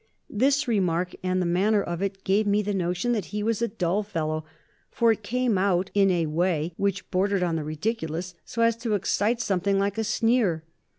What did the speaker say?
This remark and the manner of it gave me the notion that he was a dull fellow, for it came out in a way which bordered on the ridiculous so as to excite something like a sneer.